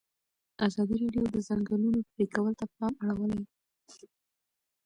ازادي راډیو د د ځنګلونو پرېکول ته پام اړولی.